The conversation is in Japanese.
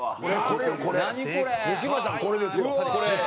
これですよ。